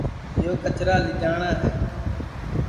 یو کچرا لیجاٹؔا ہے